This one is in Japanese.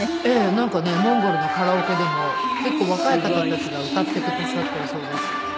なんかねモンゴルのカラオケでも結構若い方たちが歌ってくださっているそうです。